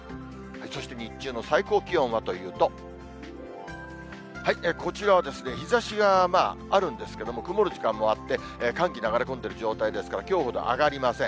そして日中の最高気温はというと、こちらは日ざしがあるんですけれども、曇る時間帯もあって、寒気流れ込んでいる状態ですから、きょうほど上がりません。